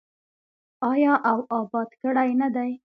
آیا او اباد کړی نه دی؟